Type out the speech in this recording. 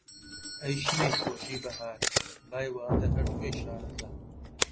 ئەی شنەی خۆشی بەهار، بای وادە! هەر تۆی شارەزا